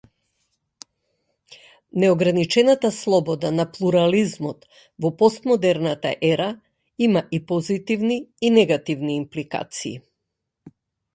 Неограничената слобода на плурализмот во постмодерната ера има и позитивни и негативни импликации.